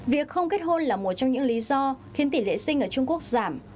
việc không kết hôn là một trong những lý do khiến tỷ lệ sinh ở trung quốc giảm